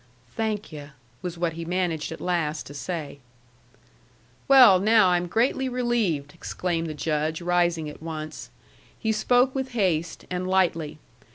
"Thank yu'," was what he managed at last to say. "Well, now, I'm greatly relieved!" exclaimed the Judge, rising at once. He spoke with haste, and lightly.